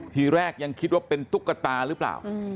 ทีแรกยังคิดว่าเป็นตุ๊กตาหรือเปล่า